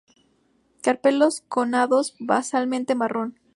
Carpelos connados basalmente, marrón.